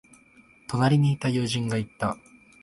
隣にいた友人が言った。